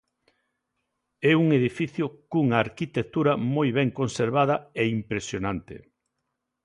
É un edificio cunha arquitectura moi ben conservada e impresionante.